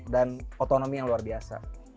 dan otonomi yang luar biasa